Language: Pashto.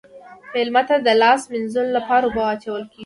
میلمه ته د لاس مینځلو لپاره اوبه اچول کیږي.